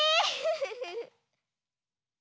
フフフ。